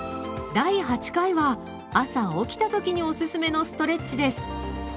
第８回は朝起きた時におすすめのストレッチです。